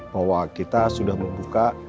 bahwa kita sudah membuka